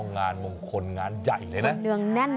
งานมงคลงานใหญ่เลยนะ